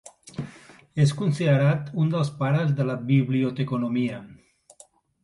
És considerat un dels pares de la biblioteconomia.